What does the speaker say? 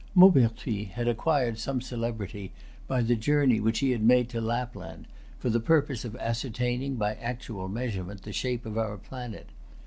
Maupertuis had acquired some celebrity by the journey which he had made to Lapland, for the purpose of ascertaining, by actual measurement, the shape of our planet.